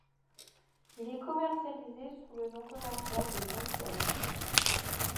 Il est commercialisé sous le nom commercial de Zentel.